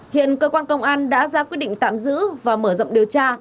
hiện cơ quan công an đã ra quyết định tạm giữ và mở rộng điều tra